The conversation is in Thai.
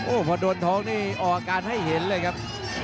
พอโดนท้องนี่ออกอาการให้เห็นเลยครับ